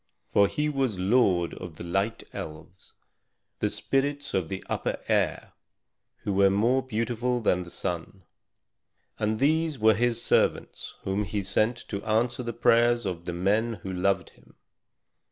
For he was lord of the Light Elves, the spirits of the upper air, who were more beautiful than the sun. And these were his servants whom he sent to answer the prayers of the men who loved him.